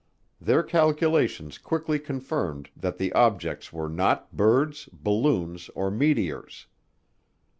Their calculations quickly confirmed that the objects were not birds, balloons, or meteors.